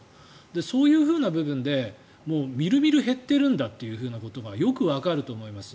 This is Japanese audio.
そういう部分でみるみる減ってるんだということがよくわかると思います。